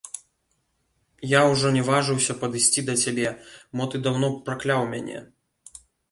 Я ўжо не важыўся падысці да цябе, мо ты даўно пракляў мяне?